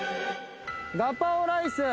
ガパオライス。